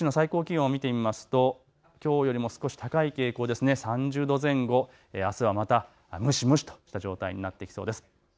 各地の最高気温を見てみますときょうよりも少し高い傾向で３０度前後、あすはまた蒸し蒸しとした状態になってきそうです。